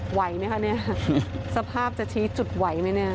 ไหวไหมคะเนี่ยสภาพจะชี้จุดไหวไหมเนี่ย